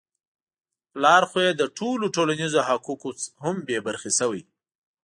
پلار خو يې له ټولو ټولنیزو حقوقو هم بې برخې شوی.